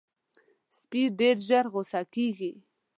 سپي ډېر ژر غصه کېږي.